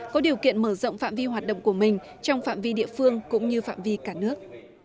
có điều kiện mở rộng phạm vi hoạt động của mình trong phạm vi địa phương cũng như phạm vi cả nước